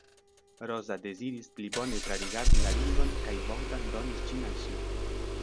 Roza deziris pli bone trarigardi la ringon kaj Bogdan donis ĝin al ŝi.